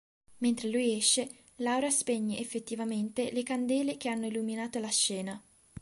Mentre lui esce, Laura spegne effettivamente le candele che hanno illuminato la scena.